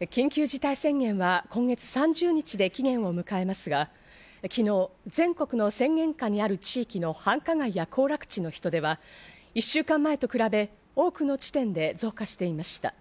緊急事態宣言は今月３０日で期限を迎えますが、昨日、全国の宣言下にある地域の繁華街や行楽地の人出は、１週間前と比べ、多くの地点で増加していました。